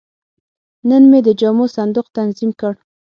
نن مې د جامو صندوق تنظیم کړ.